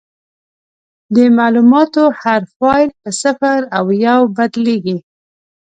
د معلوماتو هر فایل په صفر او یو بدلېږي.